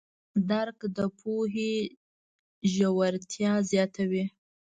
درک د پوهې ژورتیا زیاتوي.